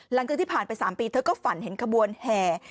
หลังจากที่ผ่านไป๓ปีเธอก็ฝันเห็นขบวนแห่